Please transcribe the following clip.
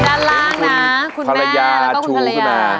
ด้านล่างนะคุณแม่แล้วก็คุณภรรยา